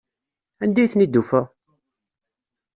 Anda ay ten-id-tufa?